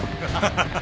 ハハハハ。